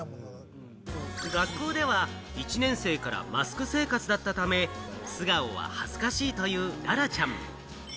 学校では１年生からマスク生活だったため、素顔は恥ずかしいという、ららちゃん。